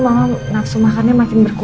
mak maksu makannya makin berkembang